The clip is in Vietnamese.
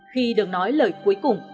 khi được nói lời cuối cùng